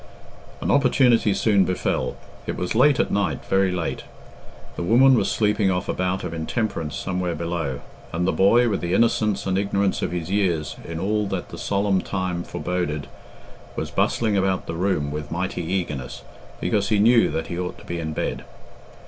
An opportunity soon befell. It was late at night very late. The woman was sleeping off a bout of intemperance somewhere below; and the boy, with the innocence and ignorance of his years in all that the solemn time foreboded, was bustling about the room with mighty eagerness, because he knew that he ought to be in bed.